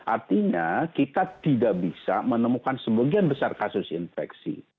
artinya kita tidak bisa menemukan sebagian besar kasus infeksi